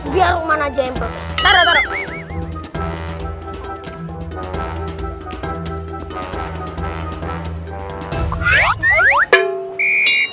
biar rumah najah yang protes taruh taruh